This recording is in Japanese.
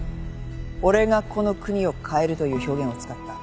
「俺がこの国を変える」という表現を使った。